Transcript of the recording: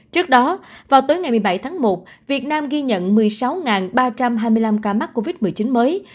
trước đó vào tối ngày một mươi bảy tháng một việt nam ghi nhận một mươi sáu ba trăm hai mươi năm ca mắc covid một mươi chín mới